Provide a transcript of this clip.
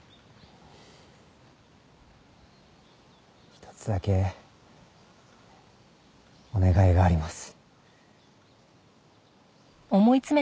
一つだけお願いがあります。